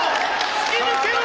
突き抜けろ！